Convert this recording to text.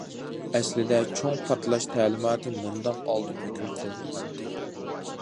ئەسلىدە چوڭ پارتلاش تەلىماتى مۇنداق ئالدىن ھۆكۈم قىلىنغانتى.